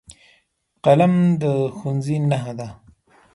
قلم د ښوونځي نښه ده